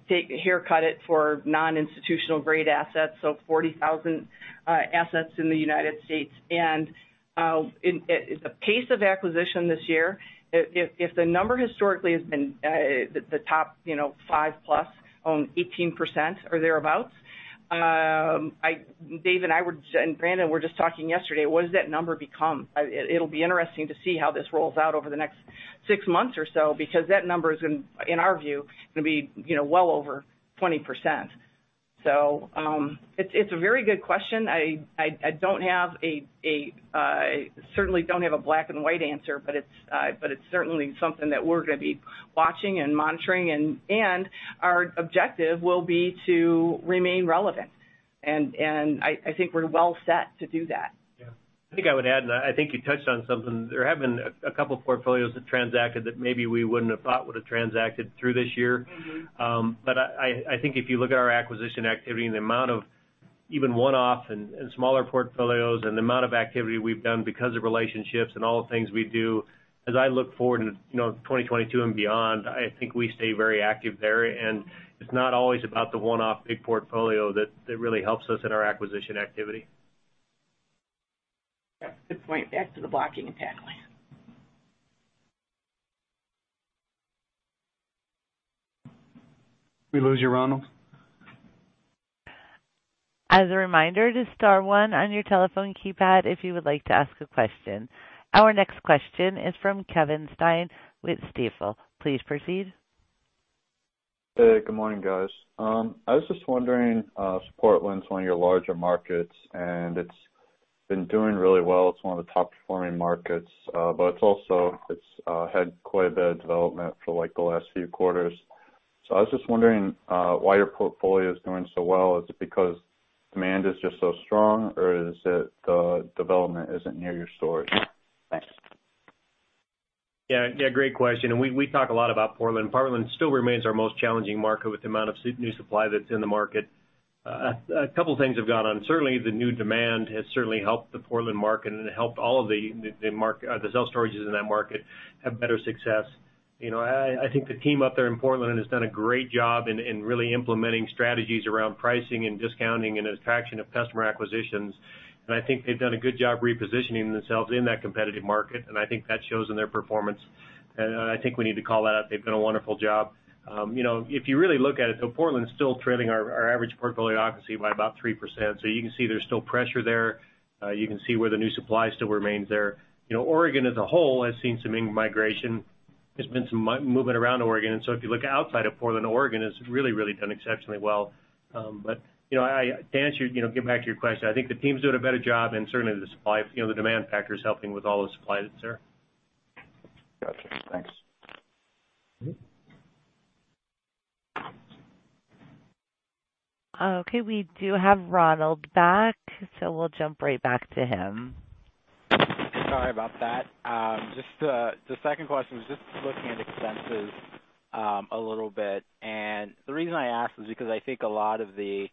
Take haircut it for non-institutional grade assets, so 40,000 assets in the United States. At the pace of acquisition this year, if the number historically has been the top, you know, 5+ own 18% or thereabout, Dave and I and Brandon were just talking yesterday, what does that number become? It'll be interesting to see how this rolls out over the next six months or so, because that number in our view gonna be, you know, well over 20%. It's a very good question. I certainly don't have a black and white answer, but it's certainly something that we're gonna be watching and monitoring, and our objective will be to remain relevant. I think we're well set to do that. Yeah. I think I would add, and I think you touched on something. There have been a couple portfolios that transacted that maybe we wouldn't have thought would have transacted through this year. Mm-hmm. I think if you look at our acquisition activity and the amount of even one-off and smaller portfolios and the amount of activity we've done because of relationships and all the things we do, as I look forward into, you know, 2022 and beyond, I think we stay very active there. It's not always about the one-off big portfolio that really helps us in our acquisition activity. Yeah. Good point. Back to the blocking and tackling. we losing you, Ronald? As a reminder to star one on your telephone keypad if you would like to ask a question. Our next question is from Kevin Stein with Stifel. Please proceed. Hey, good morning, guys. I was just wondering, Portland's one of your larger markets, and it's been doing really well. It's one of the top performing markets, but it's also had quite a bit of development for, like, the last few quarters. I was just wondering, why your portfolio is doing so well. Is it because demand is just so strong, or is it the development isn't near your stores? Thanks. Yeah. Yeah, great question, and we talk a lot about Portland. Portland still remains our most challenging market with the amount of new supply that's in the market. A couple things have gone on. Certainly, the new demand has certainly helped the Portland market and helped all of the self-storage in that market have better success. You know, I think the team up there in Portland has done a great job in really implementing strategies around pricing and discounting and attraction of customer acquisitions. I think they've done a good job repositioning themselves in that competitive market, and I think that shows in their performance. I think we need to call that out. They've done a wonderful job. You know, if you really look at it, though, Portland's still trailing our average portfolio occupancy by about 3%, so you can see there's still pressure there. You can see where the new supply still remains there. You know, Oregon as a whole has seen some in-migration. There's been some movement around Oregon. If you look outside of Portland, Oregon has really done exceptionally well. You know, to answer, you know, get back to your question, I think the team's doing a better job and certainly the supply, you know, the demand factor is helping with all the supply that's there. Gotcha. Thanks. Mm-hmm. Okay, we do have Ronald back, so we'll jump right back to him. Sorry about that. Just, the second question was just looking at expenses, a little bit. The reason I ask is because I think a lot of the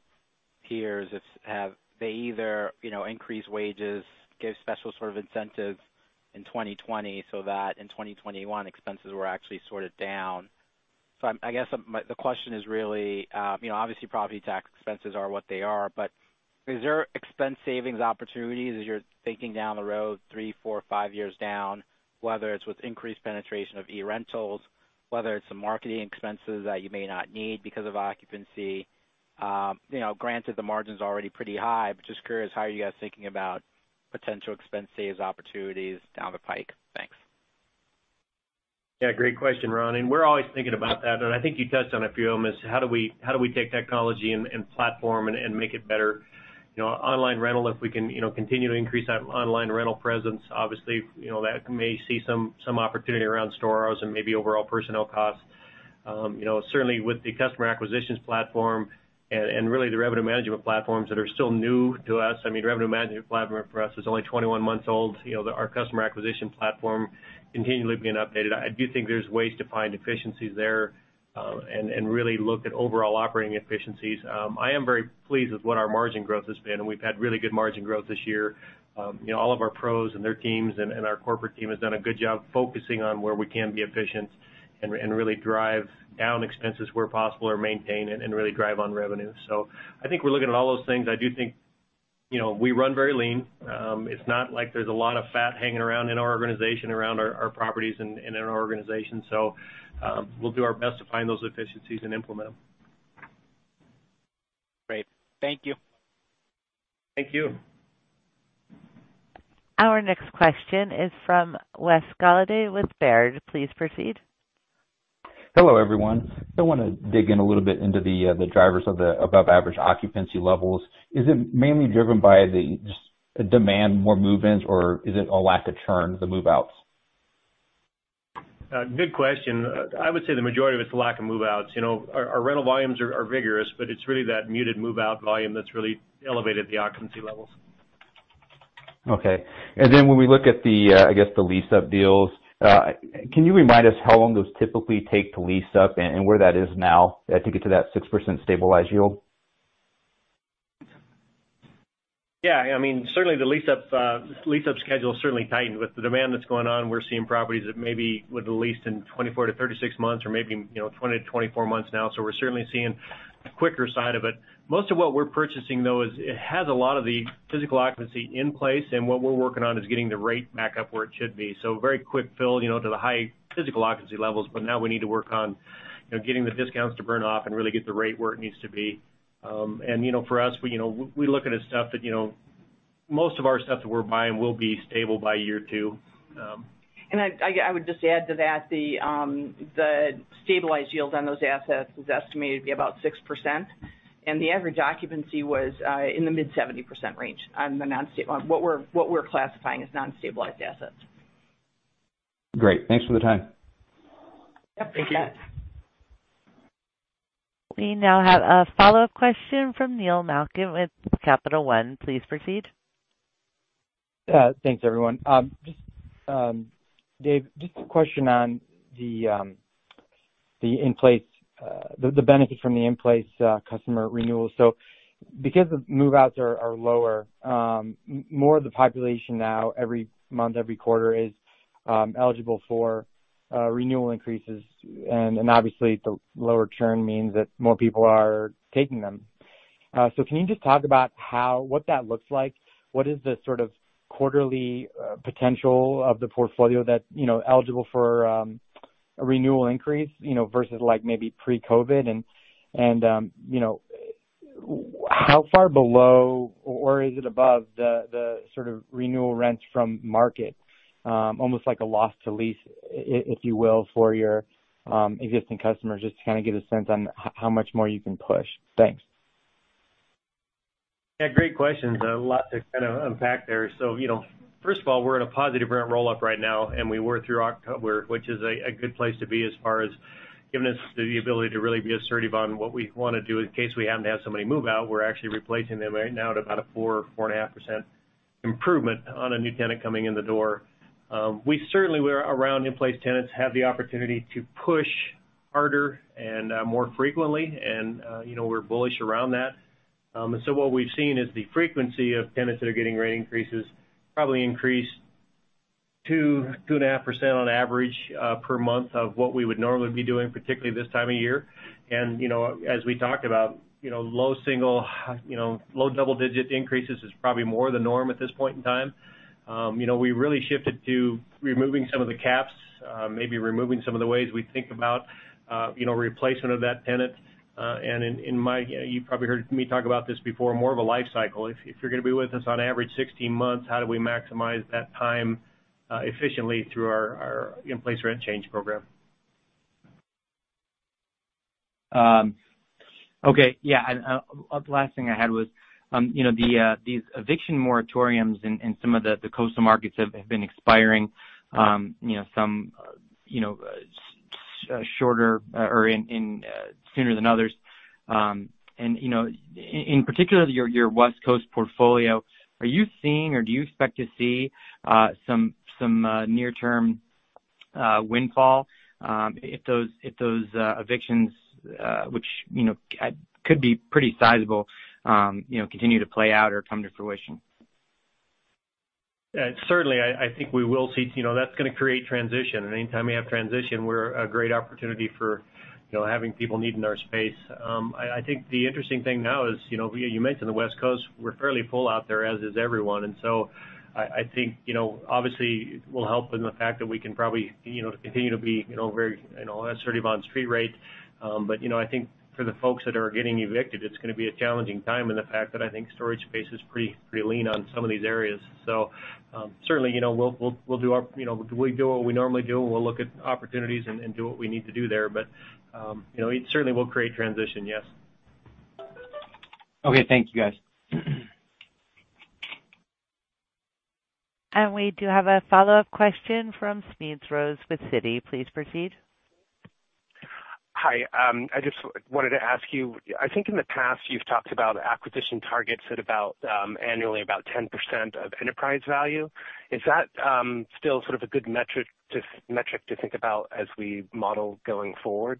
peers that have, they either, you know, increased wages, gave special sort of incentives in 2020 so that in 2021 expenses were actually sort of down. I'm, I guess, my question is really, you know, obviously, property tax expenses are what they are, but is there expense saving opportunities as you're thinking down the road 3, 4, 5 years down, whether it's with increased penetration of eRentals, whether it's the marketing expenses that you may not need because of occupancy? You know, granted the margin's already pretty high, but just curious how are you guys thinking about potential expense saving opportunities down the pike? Thanks. Yeah, great question, Ron, and we're always thinking about that. I think you touched on a few of them is how do we take technology and platform and make it better? You know, online rental, if we can continue to increase our online rental presence, obviously, you know, that may see some opportunity around store hours and maybe overall personnel costs. You know, certainly with the customer acquisition platform and really the revenue management platforms that are still new to us, I mean, revenue management platform for us is only 21 months old. You know, our customer acquisition platform continually being updated. I do think there's ways to find efficiencies there, and really look at overall operating efficiencies. I am very pleased with what our margin growth has been, and we've had really good margin growth this year. You know, all of our pros and their teams and our corporate team has done a good job focusing on where we can be efficient and really drive down expenses where possible or maintain and really drive on revenue. I think we're looking at all those things. I do think, you know, we run very lean. It's not like there's a lot of fat hanging around in our organization, around our properties and in our organization. We'll do our best to find those efficiencies and implement them. Great. Thank you. Thank you. Our next question is from Wes Golladay with Baird. Please proceed. Hello, everyone. I wanna dig in a little bit into the drivers of the above average occupancy levels. Is it mainly driven by the just demand more move-ins or is it a lack of churn, the move-outs? Good question. I would say the majority of it's the lack of move-outs. You know, our rental volumes are vigorous, but it's really that muted move-out volume that's really elevated the occupancy levels. Okay. Then when we look at the, I guess the lease-up deals, can you remind us how long those typically take to lease up and where that is now, to get to that 6% stabilized yield? Yeah, I mean, certainly the lease-up schedule is certainly tightened with the demand that's going on. We're seeing properties that maybe would lease in 24-36 months or maybe, you know, 20-24 months now. We're certainly seeing the quicker side of it. Most of what we're purchasing though, is it has a lot of the physical occupancy in place, and what we're working on is getting the rate back up where it should be. Very quick fill, you know, to the high physical occupancy levels. Now we need to work on, you know, getting the discounts to burn off and really get the rate where it needs to be. You know, for us, you know, we look at it stuff that, you know, most of our stuff that we're buying will be stable by year 2. I would just add to that, the stabilized yield on those assets is estimated to be about 6%, and the average occupancy was in the mid-70% range on what we're classifying as non-stabilized assets. Great. Thanks for the time. Yep. Thank you. Thanks. We now have a follow-up question from Neil Malkin with Capital One. Please proceed. Thanks, everyone. Just Dave, just a question on the benefit from the in-place customer renewal. Because the move-outs are lower, more of the population now every month, every quarter is eligible for renewal increases. Obviously the lower churn means that more people are taking them. Can you just talk about how what that looks like? What is the sort of quarterly potential of the portfolio that you know eligible for a renewal increase you know versus like maybe pre-COVID and you know how far below or is it above the sort of renewal rents from market almost like a loss to lease if you will for your existing customers just to kind of get a sense on how much more you can push? Thanks. Yeah, great questions. A lot to kind of unpack there. You know, first of all, we're in a positive rent roll-up right now, and we were through October, which is a good place to be as far as giving us the ability to really be assertive on what we wanna do. In case we happen to have somebody move out, we're actually replacing them right now at about a 4.5% improvement on a new tenant coming in the door. We certainly, around in-place tenants, have the opportunity to push harder and more frequently, and you know, we're bullish around that. What we've seen is the frequency of tenants that are getting rate increases probably increase to 25-2.5% on average per month of what we would normally be doing, particularly this time of year. You know, as we talked about, you know, low single-digit, low double-digit increases is probably more the norm at this point in time. You know, we really shifted to removing some of the caps, maybe removing some of the ways we think about, you know, replacement of that tenant. You probably heard me talk about this before, more of a life cycle. If you're gonna be with us on average 16 months, how do we maximize that time efficiently through our in-place rent change program? Okay. Yeah. The last thing I had was, you know, these eviction moratoriums in some of the coastal markets have been expiring, you know, some shorter or sooner than others. In particular, your West Coast portfolio, are you seeing or do you expect to see some near-term windfall if those evictions, which, you know, could be pretty sizable, you know, continue to play out or come to fruition? Yeah, certainly, I think we will see. You know, that's gonna create transition. Anytime we have transition, we're a great opportunity for, you know, having people needing our space. I think the interesting thing now is, you know, you mentioned the West Coast, we're fairly full out there, as is everyone. I think, you know, obviously it will help in the fact that we can probably, you know, continue to be, you know, very, you know, assertive on street rate. You know, I think for the folks that are getting evicted, it's gonna be a challenging time, and the fact that I think storage space is pretty lean on some of these areas. Certainly, you know, we do what we normally do, and we'll look at opportunities and do what we need to do there, but, you know, it certainly will create transition, yes. Okay. Thank you, guys. We do have a follow-up question from Smedes Rose with Citi. Please proceed. Hi. I just wanted to ask you, I think in the past you've talked about acquisition targets at about annually about 10% of enterprise value. Is that still sort of a good metric to think about as we model going forward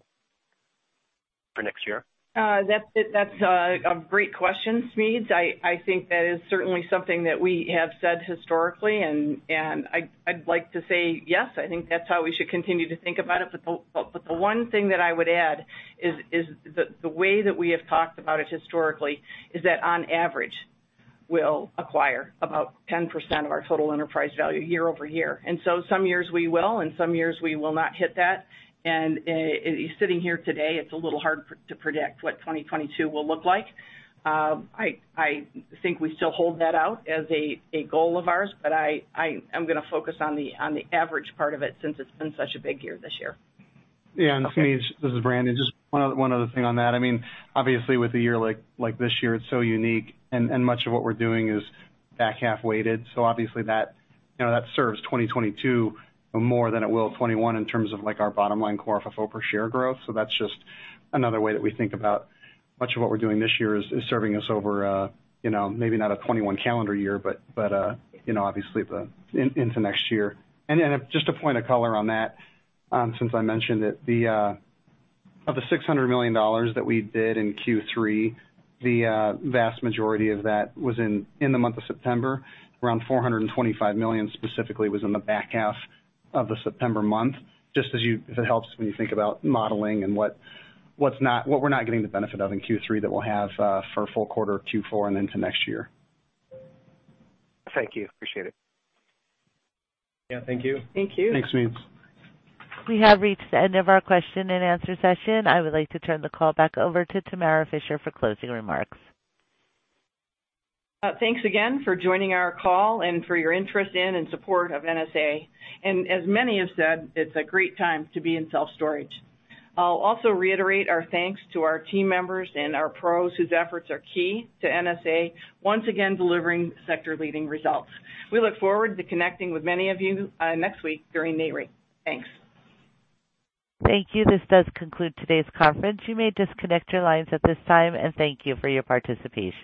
for next year? That's a great question, Smeeds. I think that is certainly something that we have said historically, and I'd like to say yes, I think that's how we should continue to think about it. The one thing that I would add is the way that we have talked about it historically is that on average we'll acquire about 10% of our total enterprise value year-over-year. Some years we will and some years we will not hit that. Sitting here today, it's a little hard to predict what 2022 will look like. I think we still hold that out as a goal of ours, but I'm gonna focus on the average part of it since it's been such a big year this year. Yeah. Smedes, this is Brandon. Just one other thing on that. I mean, obviously with a year like this year, it's so unique and much of what we're doing is back half weighted. Obviously that serves 2022 more than it will 2021 in terms of like our bottom line core FFO per share growth. That's just another way that we think about much of what we're doing this year is serving us over, you know, maybe not a 2021 calendar year, but you know, obviously into next year. Just a point of color on that, since I mentioned it, of the $600 million that we did in Q3, the vast majority of that was in the month of September. Around $425 million specifically was in the back half of the September month. Just if it helps when you think about modeling and what we're not getting the benefit of in Q3 that we'll have for a full quarter of Q4 and into next year. Thank you. Appreciate it. Yeah, thank you. Thank you. Thanks, Smedes. We have reached the end of our question-and-answer session. I would like to turn the call back over to Tamara Fischer for closing remarks. Thanks again for joining our call and for your interest in and support of NSA. As many have said, it's a great time to be in self-storage. I'll also reiterate our thanks to our team members and our pros whose efforts are key to NSA once again delivering sector leading results. We look forward to connecting with many of you next week during NAREIT. Thanks. Thank you. This does conclude today's conference. You may disconnect your lines at this time, and thank you for your participation.